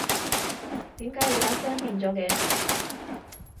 點解你把聲變咗嘅？